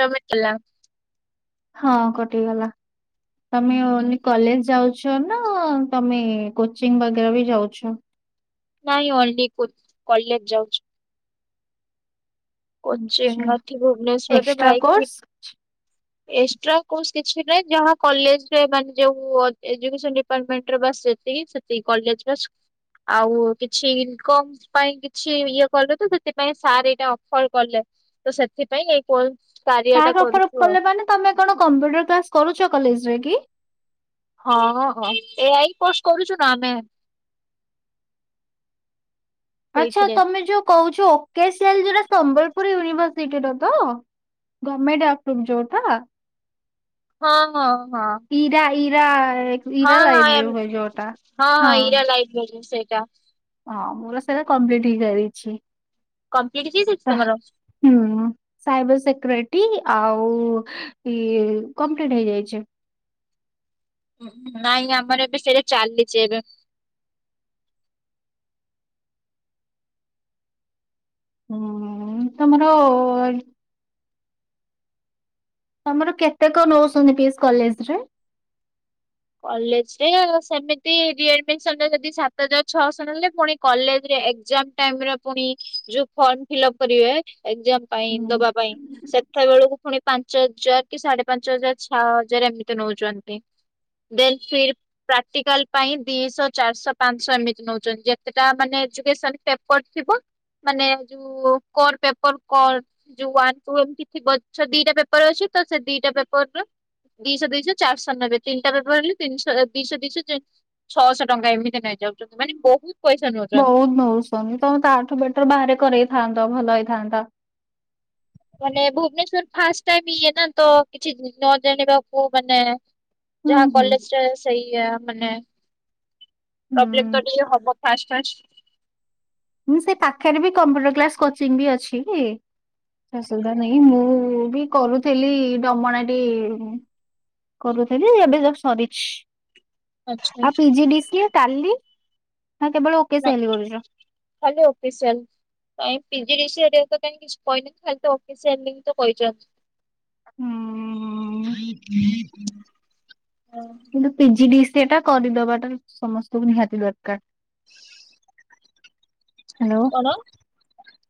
ତମେ [unintelligible] ହଁ କଟିଗଲା ତମେ ଓନଲି କଲେଜ ଯାଉ ଚ ନା ତମେ କୋଚିଂ ବଗେରା ବି ଯାଉଛ? ନାଇଁ ଓନ୍ଲି କୋଚ କଲେଜ ଯାଉଛି। କୋଚିଂ ଆଚ୍ଛା ନଉଥିଲି ଭୁବନେଶ୍ୱରରେ ଏକ୍ସଟ୍ରା ଭାଇକି କୋର୍ସ? ଏଷ୍ଟ୍ରା କୋର୍ସ କିଛି ନାଇଁ ଯାହା କଲେଜରେ ମାନେ ଯୋଉ ଏଜୁକେସନ ଡିପାର୍ଟମେଣ୍ଟରେ ବାସ ସେତିକି ସେତିକି କଲେଜର ସ ଆଉ କିଛି ଇନକମ୍ ପାଇଁ କିଛି ଇଏ କଲ ତ ସେଥିପାଇଁ ସାର ଏଇଟା କଲ କଲେ ତ ସେଥିପାଇଁ ଏଇ କୋ ତାର ଅପର କଲେ ମାନେ ତମେ କଣ କମ୍ପ୍ୟୁଟର କ୍ଲାସ କରୁଛ କଲେଜରେ କି? ହଁ ହଁ ଏଆଇ କୋର୍ସ କରୁଛୁ ନା ଆମେ ଆଚ୍ଛା ସେଇଥିରେ। ତମେ ଯୋଉ କହୁଛ ଓକେସିଆଲ ଯୋଟା ସମ୍ବଲପୁର ୟୁନିଭରସିଟିର ତ ଗର୍ମେଣ୍ଟ ଆପ୍ରୁଭ ଯୋଉଟା ହଁ ହଁ। ହଁ ଇରା ଇରା ହଁ ଇରା ଲାଇବ୍ରେରୀ ହଁ ହୋଏ ଯୋଉଟା ହଁ। ଇରା ଲାଇବ୍ରେରୀ ସେଇଟା। ହଁ ମୋର ସେଇଟା କମ୍ପ୍ଲିଟ ହେଇସାରିଛି। କମ୍ପ୍ଲିଟ ହେଇଯାଇଛି ତମର? ହୁଁ ସାଇବର ସେକ୍ରେଟ ଟି ଆଉ ଇଏ କମ୍ପ୍ଲିଟ ହେଇଯାଇଛି। ନାଇଁ ଆମର ଏବେ ସେଇଟା ଚାଲିଛି ଏବେ ହୁଁ ତମର ତମର କେତେ କଣ ନଉଛନ୍ତି ପଏସ୍ କଲେଜରେ କଲେଜରେ ସେମିତି ରିଆଡ଼ମିସନରେ ଯଦି ସାତ ହଜାର ଛଅଶହ ନେଲେ ପୁଣି କଲେଜରେ ଏକ୍ଜାମ ଟାଇମରେ ପୁଣି ଯୋଉ ଫର୍ମ ଫିଲପ କରିବେ ଏକ୍ଜାମ ପାଇଁ ହୁଁ। ଦବା ପାଇଁ ସେତବେଳକୁ ପୁଣି ପାଞ୍ଚ ହଜାର କି ସାଢେ ପାଞ୍ଚ ହଜାର ଛଅ ହଜାର ଏମିତି ନଉଛନ୍ତି। ଦେନ ଫର ପ୍ରାକ୍ଟିକାଲ ପାଇଁ ଦିଶହ ଚାରିଶହ ପାଞ୍ଚଶହ ଏମିତି ନଉଛନ୍ତି ଯେତେଟା ମାନେ ଏଜୁକେସନ ପେପର ଥିବ ମାନେ ଯୋଉ କୋର ପେପର କୋର ଯୋଉ ୱାନ ଟୁ ଏମିତି ଥିବ ସେ ଦିଟା ପେପର ଅଛି। ତ ସେ ଦିଟା ପେପରର ଦିଶହ ଦୁଇଶହ ଚାରିଶହ ନେବେ ତିନିଟା ପେପର ହେଲେ ତିନିଶହ ଦିଶହ ଦିଶହ ଛଅଶହ ଟଙ୍କା ଏମିତି ନେଇ ଯାଉଛନ୍ତି ମାନେ ବହୁତ ପଇସା ନଉଛନ୍ତି। ବହୁତ ବହୁତ ଶନି ତମେ ତ ଆ ଠୁ ବେଟର ବାହାରେ କରେଇଥାନ୍ତ ତ ଭଲ ହେଇଥାନ୍ତା। ମାନେ ଭୁବନେଶ୍ଵର ଫାଷ୍ଟ ଟାଇମ୍ ଇଏ ନା ତ କିଛି ନ ଜାଣିବାକୁ ମାନେ ହୁଁ ଯାହା ହୁଁ କଲେଜରେ ସେଇ ମାନେ ପ୍ରବ୍ଲେମ ତ ଟିକେ ହବ ପାଞ୍ଚ ପାଞ୍ଚ ମୁଁ ସେ ପାଖରେ ବି କମ୍ପ୍ୟୁଟର କ୍ଲାସ କୋଚିଂ ବି ଅଛି କି? ସୁବିଧା ନାଇଁ ମୁଁ ବି କରୁଥିଲି ଡମଣାଟି କରୁଥୁଲି ଏବେ ଜଷ୍ଟ ସରିଚି ଆଉ ଆଚ୍ଛା। P G D C A Tally? ନା କେବଳ ଓକେ ନା ସେଲ କରୁଛ? ଖାଲି ଅଫିସିଆଲ୍ ପାଇଁ P G D C A ହରିକା ତ କାଇଁ କିଛି କହିନାହାନ୍ତି ଖାଲି ତ ଅଫିସିଆଲ ଲିଙ୍କ୍ ତ କହିଚନ୍ତି। ହୁଁ। ଉଁ କୁ ସେଟା କରିଦବାଟା ସମସ୍ତଙ୍କୁ ନିହାତି ଦରକାର। ହାଲୋ? କଣ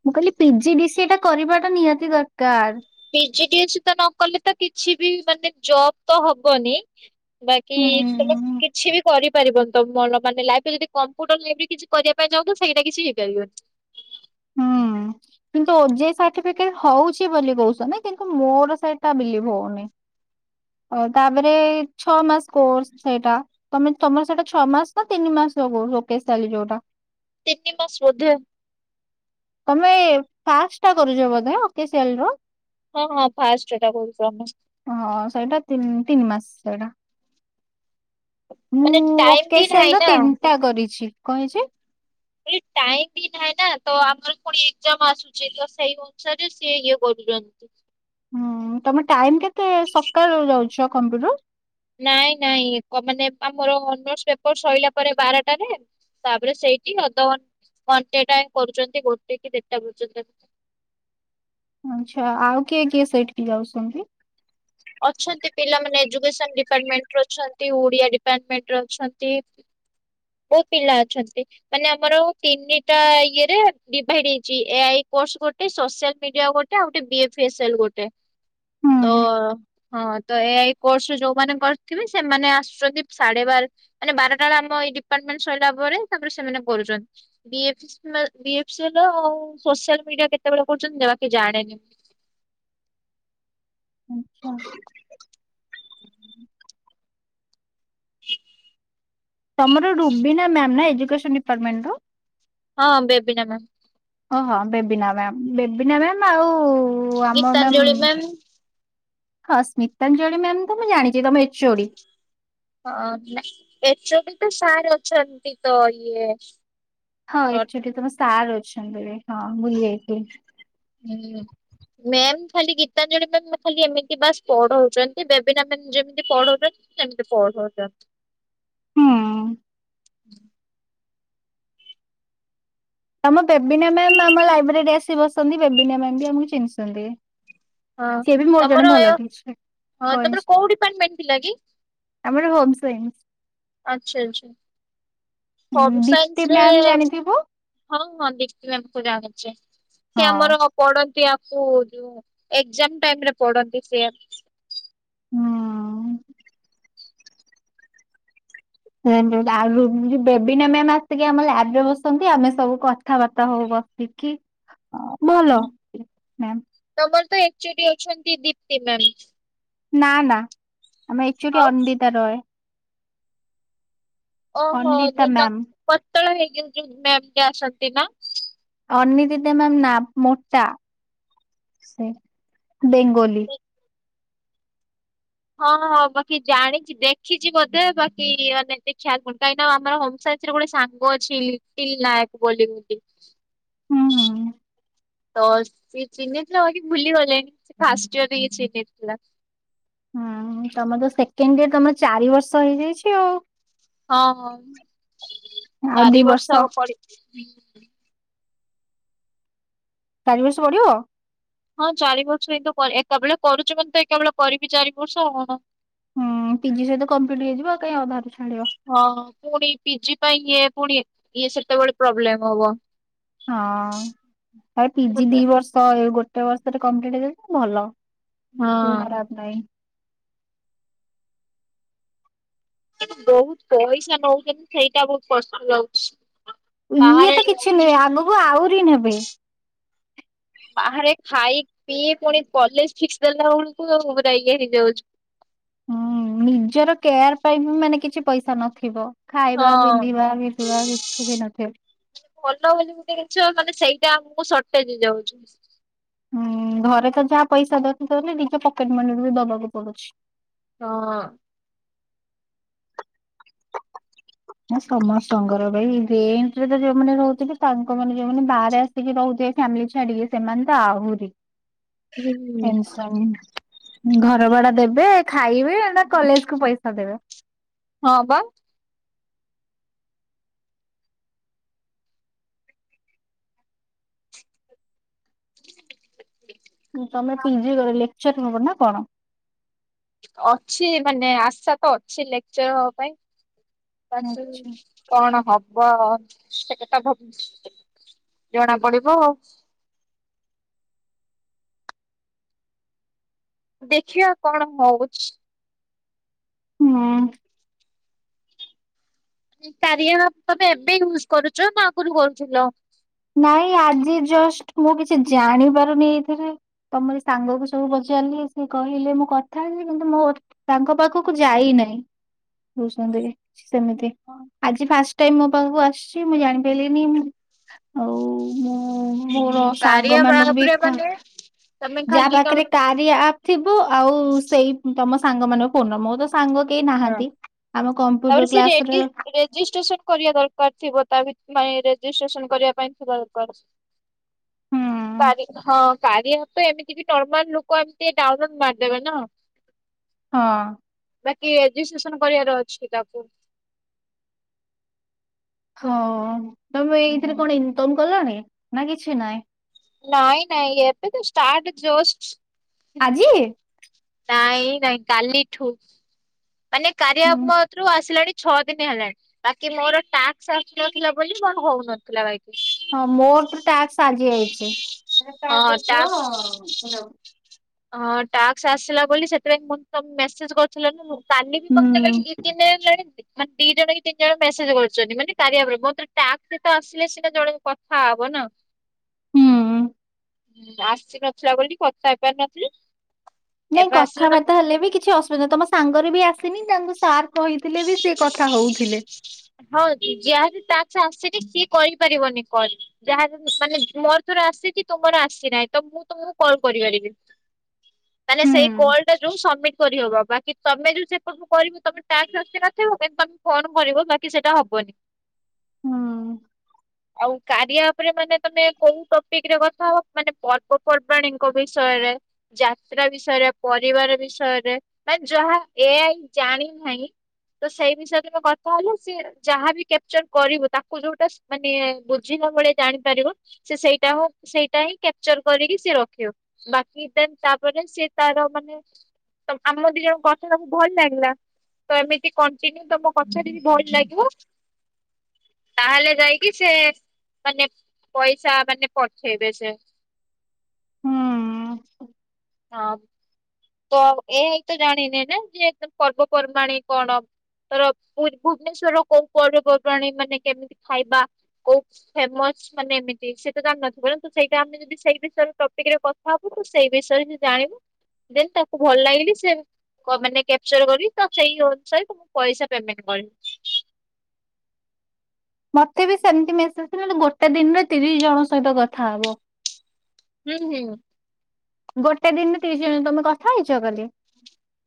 ମୁଁ କହିଲି ପି ଜି ଡି ସି ଏଟା କରିବାଟା ନିହାତି ଦରକାର। ପିଜିଡ଼ିଏସି ତ ନକଲେ ତ କିଛି ବି ମାନେ ଜବ ତ ହବନି। ବାକି ହୁଁ ସେଲସ୍ କି କିଛି ବି କରିପାରିବନି ତମ ଭଲ ମାନେ ଲାଇଫରେ ଯଦି କମ୍ପୁଟର ଲାଇଫରେ କିଛି କରିବା ପାଇଁ ଚାହୁଁଥ ସେଇଟା କିଛି ହେଇପାରିବନି। ହଁ। କିନ୍ତୁ ଓ ଜେ ଇ ସାଟିଫିକେଟ ହୋଉଛି ବୋଲି କହୁଛନ୍ତି କିନ୍ତୁ ମୋର ସେଇଟା ବିଲିଭ୍ ହୋଉନି। ଆଉ ତାପରେ ଛଅ ମାସ୍ କୋର୍ସ ସେଇଟା ତମେ ତମର ସେଇଟା ଛଅମାସ ନା ତିନିମାସ ଲଗୁଅ [unintelligible] ଯୋଉଟା? ତିନି ମାସ୍ ବୋଧେ। ତମେ ଫାଷ୍ଟଟା କରୁଚ ବୋଧେ ଅକେସିଆଲର। ହଁ ହଁ ଫାଷ୍ଟ ଏଟା କହୁଛୁ ଆମେ ହଁ ସେଇଟା ତିନ-ତିନ ମାସ୍ ସେଇଟା। ମାନେ ମୁଁ ଟାଇମ ବି ନାହିଁ ଓକେସେଲର ନା। ତିନଟା କରିଛି, କଣ ହେଇଛି? ଟାଇମ ବି ନାହିଁ ନା ତ ଆମର ପୁଣି ଏଗଜାମ୍ ଆସୁଚି ତ ସେଇ ଅନୁସାରେ ସିଏ ଇଏ କରୁଚନ୍ତି। ହୁଁ ତମେ ଟାଇମ୍ କେତେ ସକାଳୁ ଯାଉଛ କମ୍ପଟର? ନାଇଁ ନାଇଁ କ-ମାନେ ଆମର ଅନର୍ସ୍ ପେପର ସଇଲା ପରେ ବାରଟାରେ ତାପରେ ସେଇଠି ଅଧ ଘ-ଘଣ୍ଟେ ଟାଇମ୍ କରୁଚନ୍ତି ଗୋଟେ କି ଦେଢଟା ପର୍ଯ୍ୟନ୍ତ। ଆଛା ଆଉ କିଏ କିଏ ସେଇଠିକି ଯାଉଛନ୍ତି। ଅଛନ୍ତି ଏଇ ଓଡିଆ ଡିପାର୍ଟମେଣ୍ଟର ଅଛନ୍ତି। ବୋହୁତ ପିଲା ଅଛନ୍ତି ମାନେ ଆମର ତିନିଟା ଇଏରେ ଡିଭାଇଡ୍ ହେଇଚି ଏ ଆଇ କୋ କୋର୍ସ୍ ଗୋଟେ, ସୋସିଆଲ ମିଡିଆ ଗୋଟେ, ଆଉ ଗଟେ ବିଏଫେସାଲ୍ ଗୋଟେ। ତ ହୁଁ। ହଁ ତ ଏ ଆଇ କୋର୍ସରେ ଯୋଉମାନେ କରିଥିବେ ସେମାନେ ଆସୁଚନ୍ତି ସାଢେ ବାର ମାନେ ବାରଟା ବଳେ ଆମ ଏଇ ଡି ଡିପାର୍ଟମେଣ୍ଟ ସଇଲା ପରେ ତାପରେ ସେମାନେ କରୁଚନ୍ତି ବିଏଫେକିସ୍ କିମ୍ବା [unintelligible] ଆଉ ସୋସିଆଲ୍ ଏଇଟା କେତେବେଳେ କରୁଚନ୍ତି ନା ବାକି ଜାଣେନି। ଆଚ୍ଛା। ହୁଁ ତମର ରୁବିନା ମ୍ୟାାମ୍ ନା ଏଜୁକେସନ୍ ଡିପାର୍ଟମେଣ୍ଟର? ହଁ ବେବିନ ମ୍ୟାମ୍। ହଁ ହଁ ବେବିନା ମ୍ୟାମ୍ ବେବିନା ମ୍ୟାମ୍ ଆଉ ଗୀତାଞ୍ଜଳି ମ୍ୟାମ୍। ହଁ ସ୍ମିତାଞ୍ଜଳି ମ୍ୟାମ୍ ତ ମୁଁ ଜାଣିଚି ତମ ଏଚ୍ ଓ ଡି। ହଁ ନା ଏଚ୍ ଓ ଡି ତ ସାର୍ ଅଛନ୍ତି ତ ଇଏ ହଁ ଏଚ୍ ଓ ଡି ତମ ସାର ଅଛନ୍ତି ଏବେ ହଁ ଭୁଲି ଯାଇଥିଲି। ହୁଁ। ମ୍ୟାମ୍ ଖାଲି ଗୀତାଞ୍ଜଳି ମ୍ୟାମ୍ ବା-ଖାଲି ଏମିତି ବାସ୍ କେମିତି ପଢ଼ୋଉଚ? ହୁଁ। ହୁ ତମ ବେବିନା ମ୍ୟାାମ୍ ଆମ ଲାଇବ୍ରେରୀରେ ଆସି ବସନ୍ତି ବେବିନା ମ୍ୟାାମ୍ ବି ଆମକୁ ଚିହ୍ନିଛନ୍ତି। ହଁ ସିଏ ବି ମୋର ଜଣେ ତମର ଅ ଭଲ ଟିଚର ହଁ କଇଁସ ତମର କୋଉ ଡିପାର୍ଟମେଣ୍ଟ୍ ଥିଲା କି? ଆମର ହୋମ୍ ସାଇନସ୍ ଆଚ୍ଛା ଆଚ୍ଛା ହୋମ୍ ଦୀପ୍ତି ସାଇନସରେ ମ୍ୟାମ୍ ଜାଣିଥିବୁ ହଁ ହଁ ଦୀପ୍ତି ମ୍ୟାମଙ୍କୁ ଜାଣିଚି ସେ ହଁ ଆମର ପଡନ୍ତି ଆ ଶୋଯୋ ଏଜାମ ଟାଇମ୍ ରେ ପଡନ୍ତି ସେ ହଁ। ରେନ ରହୁଛି। ଆଉ ଯଉ ବେବିନା ମ୍ୟାମ୍ ଆସିକି ଆମ ଲ୍ୟାବ ବ ରେ ବସନ୍ତି। ଆମେ ସବୁ କଥାବାର୍ତ୍ତା ହଉ ବ ବସିକି। ଭଲ ହୁଁ। ମ୍ୟାମ୍। ତମର ତ ଏକଚୁଟି ଅଛନ୍ତି ଦୀପ୍ତି ମ୍ୟାମ୍। ନା, ନା ଆମର ଏକ୍ଚୁଲି ଆଉ ଅନ୍ଦିତା ରଏ। ଓହୋ! ଅନିଦିତା ଯଉ ତ ମ୍ୟାମ୍ ପତଳା ହେଇକି ଯଉ ମ୍ୟାମ୍ ଟା ଆସନ୍ତି ନା! ଅନିଦିତା ମ୍ୟାମ୍ ନା ମୋଟା! ସେ ବେଙ୍ଗୋଲି। ହଁ, ହଁ ବାକି ଜାଣିଛି, ଦେଖିଛି ବୋଧେ ବାକି ମାନେ ଏତେ ଖିଆଲ ପଡୁନି। କାହିଁକିନା ଆମର, ହୋମ ସାଇନ୍ସ ସେଥିରେ ପୁଣି ସାଙ୍ଗ ଅଛିି, ଲିଟିଲ୍ ନାଏକ ବୋଲି ଦିଦି। ହୁଁ, ହୁଁ। ତ ସିଏ ଚିହ୍ନିଥିଲା ବାକି ଭୁଲି ଗଲେଣି। ସେ ଫାଷ୍ଟଇୟର୍ ରେ ଚିହ୍ନିଥିଲା। ହୁଁ, ତମର ସେକେଣ୍ଡ ଇୟର, ତମର ଚାରି ବର୍ଷ ହେଇଯାଇଛି ଆଉ। ହଁ, ହଁ, ଆଉ ଦି ଚାରି ବର୍ଷ ପଡିଚି। ତାରି ବର୍ଷ ପଡିବ? ହଁ, ଚାରି ବର୍ଷ ହିଁ ତ ଏକା ବେଳେ କରୁଛୁ ମାନେ ତ, ଏକା ବେଳେ କରିବି ଚାରି ବର୍ଷ ଆଉ କଣ? ହୁଁ। ହୁଁ, ପିଜି ସହିତ କଂପ୍ଲିଟ୍ ହେଇଯିବ। କାଇଁ ଆଉ ଅଧାରୁ ଛାଡିବ? ହଁ ପିଜି ପାଇଁ ପୁଣି ଇଏ ଇଏ, ସେତେବେଳେ ପ୍ରୋବ୍ଲେମ ହବ। ହଁ, ଆଉ ପିଜି ଦି ବର୍ଷ ଗୋଟ୍ ଗୋଟେ ବର୍ଷରେ କଂପ୍ଲିଟ୍ ହେଇଯାଉଛି। ଭଲ ହଁ ଖରାପ୍ ନାହିଁ। ବହୁତ ପଇସା ନଉଚନ୍ତି। ସେଇଟା ବହୁତ କଷ୍ଟ ଲାଗୁଛି। ଇଏ ବାହାରେ ତ କିଛି ରହି ନୁହେଁ, ଆଗକୁ ଆହୁରି ନେବେ। ବାହାରେ ଖାଇ ପିଇ ପୁଣି କଲେଜ ଫିସ୍ ଦେଲା ବେଳକୁ ପୁରା ଇଏ ହେଇଯାଉଛୁ। ହୁଁ, ନିଜର କେୟାର ପାଇଁ ବି ମାନେ କିଛି ପଇସା ନଥିବ। ହଁ, ଖାଇବା ପିନ୍ଧିବା ଘିତିବା କିଛି ବି ନଥିବ। ଭଲ ବୋଲି ଗୋଟେ ଜିନିଷ ମାନେ ସେଇ ଏ ଆମକୁ ସଟେଜ ହେଇ ଯାଉଛି। ହୁଁ, ଘରେ ତ ଯାହା ପଇସା ଦ-ଦଉସନି। ନିଜ ପକେଟ୍ ମନିରୁୁ ବି ଦବାକୁ ପଡୁଛି। ହଁ, ହେ ସମସ୍ତଙ୍କର ଭାଇ ରେଣ୍ଟ ରେ ତ ଯୋଉଁ ମାନେ ରହୁଥିବେ, ତାଙ୍କ ମାନେ ଯୋଉଁ ମାନେ ବାହାରେ ଆସିକି ହଉ ଦେ ଫ୍ୟାମିଲି ଛାଡିକି, ସେମାନେ ତ ଆହୁରି ହୁଁ ଟେନ୍ ସନ ଘର ଭଡା ଦେବେ, ଖାଇବେ କେ ଆଣେ! କଲେଜ କୁ ପଇସା ଦେବେ। ହଁ, ବା। ତମେ ପିଜି କରଲ, ଲେକ୍ଚର୍ ହବ ନା କଣ? ଅଛି, ମାନେ ଆଶା ତ ଅଛି, ଲେକ୍ଚର ହବା ପାଇଁ। ବାସୁ ଆଛା କଣ ହବ? ସେ କଥା ଭାବୁଛି, ଜଣା ପଡିବ ଆଉ। ଦେଖିଆ କଣ ହଉଛି? ହଁ। କାରିଆ ଆପ୍ ତମେ ଏବେ ୟୁଜ କରୁଛ ନା ଆଗରୁ କରୁଥୁଲ? ନାଇଁ ଆଜି ଜଷ୍ଟ ମୁଁ କିଛି ଜାଣିପାରୁନି ଏଥିରେ। ତମର ସାଙ୍ଗକୁ ସବୁ ପଚ କେମିତି କହିଲେ ମୁଁ କଥା ହେବି, କିନ୍ତୁ ମୋର ତାଙ୍କ ପାଖକୁ ଯାଇନାହିଁ। ରହୁସନ୍ତି କି? ସେମିତି, ଆଜି ଫାଷ୍ଟ ଟାଇମ୍ ମୋ ପାଖକୁ ଆସଛି ମୁଁ ଜାଣି ପାଇଲିନି ଆଉ ମୁଁ ମୋର ସାଙ୍ଗ କାରିଆ ମାନଙ୍କୁ ବି ଆପରେ କହେ। ମାନେ ତମେ ଯାହା ଖାଲି ପାଖରେ କଣ କାରିଆ ଆପ୍ ଥିବ। ଆଉ ସେଇ ତମ ସାଙ୍ଗ ମାନଙ୍କ ଫୋନ୍। ମୋ ତ ସାଙ୍ଗ କେହି ହଁ, ନାହାନ୍ତି। ଆମ କମ୍ପ୍ୟୁଟର ତା'ପରେ ସେ ରେଜି କ୍ଲାସରେ ରେଜିଷ୍ଟ୍ରେସନ କରିବା ଦରକାର ଥିବ ତା ଭି ନାଇଁ ରେଜିଷ୍ଟ୍ରେସନ କରିବା ପାଇଁ ଥିବ। କର ହୁଁ ତାରି ହଁ, କାରିଆ ଆପ୍ ଏମିତି ବି ନର୍ମାଲ ଲୋକ ଏମିତି ଡାଉନଲୋଡ ମାରିଦେବେ ନା? ହଁ। କି ରେଜିଷ୍ଟ୍ରେସନ କରିବାର ଅଛି ତାଙ୍କୁ ହଁ, ତମେ ଏଇଥିରେ କଣ ଇନକମ୍ କଲଣି ନା କିଛି ନାଇଁ? ନାଇଁ ନାଇଁ ଏବେ ତ ଷ୍ଟାର୍ଟ ଜଷ୍ଟ ଆଜି ନାଇଁ ନାଇଁ କାଲିଠୁ ମାନେ କାରିଆ ହୁଁ। ରୁ ଆସିଲାଣି ଛଅ ଦିନ ହେଲାଣି, ବାକି ମୋର ଟାକ୍ସ ଆସିନଥିଲା ବୋଲି ମୋର ହଉନଥିଲା ବାକି ହଁ ମୋର ତ ଟ୍ୟାକ୍ସ ଆଜି ଆଇଛି। ସେ ହଁ ଟାସ୍କ ପୁଅ ହ ଟାସ୍କ ଆସିଲା ବୋଲି ସେଥିପାଇଁ ତ ମେସେଜ କରିୁଥିଲା। କାଲି ବି ମତେ କାଲି ଦି ଦିନ ହେଲାଣି। ମାନେ ଦି ଜଣ କି ତିନି ଜଣ ମେସେଜ୍ କରୁଛନ୍ତି ମାନେ କାରିଆପରେ ମୋତେ ଟାସ୍କ ଆସିଲେ ସିନା ଜଣେ କଥା ହବ। ନା। ହୁଁ। ଆସି ନଥିଲା ବୋଲି କଥା ହେଇପାରିନଥିଲ। ନାଇଁ କଥାବାର୍ତ୍ତା ହେଲେ ବି କିଛି ଅସୁବିଧା ନାହିଁ ତମ ସାଙ୍ଗରେ ବି ଆସ ତାଙ୍କୁ ସାର୍ କହିଥିଲେ ବି ସେ କଥା ହଉଥିଲେ ଆସିଛି ସିଏ କରିପାରିବନି କରି ଯାହାହାର ମାନେ ମୋର ଥର ଆସିଛି ତୁମର ଆସିନାହିଁ ତ ମୁଁ ତମକୁ କଲ୍ କରିପାରିବି। ତାହେଲେ ହୁଁ। ସେଇ କଲ ଟା ଯୋଉ ସବମିଟ କରିହବ ବାକି ତମେ ଯୋଉ କରିବୁ ତମେ ଟାସ୍କ ଆସି ନଥିବ କିନ୍ତୁ ତମେ ଫୋନ କରିବ ବାକି ସେଇଟା ହବନି ହୁଁ। ଆଉ କାରିଆ ଆପରେ ମାନେ ତମେ କୋଉ ଟପିକ ରେ କଥା ହବ ମାନେ ପର୍ବପର୍ବାଣୀଙ୍କ ବିଷୟରେ ଯାତ୍ରା ବିଷୟରେ ପରିବାର ବିଷୟରେ ମାନେ ଯାହା ଏଆଇ ଜାଣି ନାହିଁ। ତ ସେଇ ବିଷୟରେ କଥା ହେଲେ ସେ ଯାହାବି କ୍ୟାପଚର କରିବ ତାକୁ ଯୋଉଟା ମାନେ ବୁଝିନି ଜାଣିପାରିବ ସେ ସେଇଟା ହ ସେଇଟା ହିଁ କ୍ୟାପଚର କରିକି ସେ ରଖିବ ବାକି ତାପରେ ସେିଏ ତାର ମାନେ ଆମର ଦି ଜଣ କଥା ତାକୁୁ ଭଲ ଲାଗେ ତ ଏମିତି କଣ୍ଟିନ୍ୟୁ ତମ କଥା ଟ ବି ଭଲ ଲାଗିବ। ତାହେଲେ ଯାଇ କିି ସେ ମାନେ ପଇସା ମାନେ ପଠେଇବେ ସେ ହୁଁ। ହଁ। ଏୟା ହିଁ ତ ଜାଣିନେ ଯେ ପର୍ବପର୍ବାଣୀ କଣ ଅ ତର ଭୁବନେଶ୍ୱର କୋଉ ପର୍ବପର୍ବାଣିୀ ମାନେ କେମିତି ଖାଇବା କୋଉ ଫେମସ ମାନେ ଏମିତି ସେ ତ ଜା ନଥିବନ୍ତୁ ସେଇଟା ଆମେ ଯଦି ସେଇ ବିଷୟରେ ଟପିକ ରେ କଥା ହବୁ ତୁ ସେଇ ବିଷୟରେ ଯଦି ତାକୁ ଭଲ ଲାଗିଲେ ସେ ମାନେ କ୍ୟାପଚର କରିବି ତ ସେଇ ଅନୁସାରେକୁ ପଇସା ପେମେଣ୍ଟ କରିବି [inaudible] ମତେ ବି ସେମିତି ମେସେଜଥିଲା ଗୋଟେ ଦିନରେ ତିରିଶ ଜଣ ସହିତ କଥା ହବ। ହୁଁ ହୁଁ। ଗୋଟେ ଦିନରେ ତିରିଶ ଜଣ ତମେ କଥା ହେଇଛ କାଲି?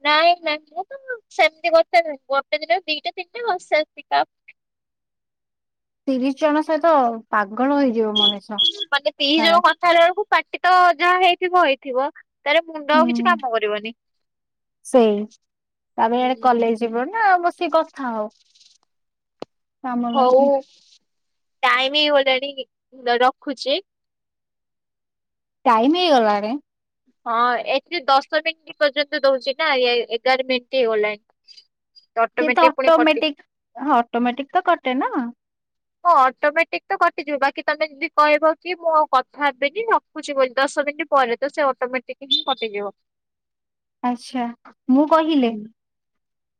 ନାଇଁ ନାଇଁ ମୁଁ ସେମିତି ଗଟେ ଦିନ ଦିଟେ ତିନଟା ବାସ ସେତିକି [inaudible] ତିରିଶ ଜଣ ସହିତ ପାଗଳ ହେଇଯିବ ମଣିଷ ମାନେ ତିରିଶ ହେଲା। ଜଣ କଥା ବେଳକୁ ପାଟି ତ ଯାହା ହେଇଥିବ ହେଇଥିବ। ତାର ମୁଣ୍ଡ ଆଉ କିଛି ହୁଁ। କାମ କରିବନି ସେଇ ତାପରେ ୟାଡେ କଲେଜ ଯିବ ନା ବ ବସିକି କଥା ହବ କାମ ହଉ ନାହିଁ ଟାଇମ ହେଇଗଲାଣି ରଖୁଛି। ଟାଇମ ହେଇଗଲାଣି? ହଁ ଏଠି ଦଶ ମିନିଟ୍ ପର୍ଯ୍ୟନ୍ତ ଦଉଛି ନା ଏଗାର ମିନିଟ ହେଇଗଲାଣି। ସେ ତ ଅଟୋମେଟିକ ପୁଣି କଟି ଅଟୋମେଟିକ ଅଟୋମେଟିକ ତ କଟେ ନା? ହଁ ଅଟୋମେଟିକ ତ କଟିଯିବ ବାକି ତମେ ଯଦି କହିବ କି ମୁଁ ଆଉ କଥା ହେବିନି ରଖୁଛି ବୋଲି ଦ ଦଶ ମିନିଟ ପରେ ତ ସେ ଅଟୋମେଟିକ ହିଁ କଟିଯିବ। ଆଚ୍ଛା ମୁଁ କହିଲେ?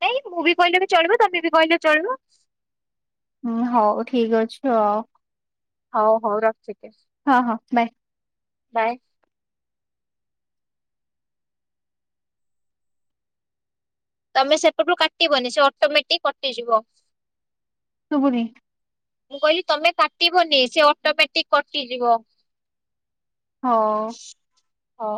ନାଇଁ ମୁଁ ବି କହିଲେ ବି ଚଳିବ ତମେ ବି କହିଲ ଚଳିବ। ହୁଁ ହଉ ଠିକ ଅଛି ଆଉ। ହଉ ହଉ ରଖିଦେ ହଁ ହଁ ବାଏ କାଇଁ? ତମେ ସେଟପରୁ କାଟିବନି ସେ ଅଟୋମେଟିକ କଟିଯିବ। ସୁୁବୁନି। ମୁଁ କହିଲି ତମେ କାଟିବନି ସେ ଅଟୋମେଟିକ କଟିଯିବ। ହଉ। ହଉ।